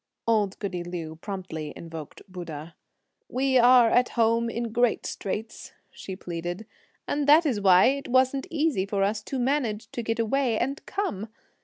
Old goody Liu promptly invoked Buddha. "We are at home in great straits," she pleaded, "and that's why it wasn't easy for us to manage to get away and come!